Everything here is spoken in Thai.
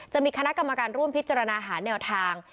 จะมีคณะกรรมการร่วมพิจารณาหาแนวทาง